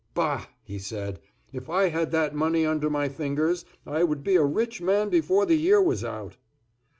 "Bah!" he said. "If I had that money under my fingers, I would be a rich man before the year was out."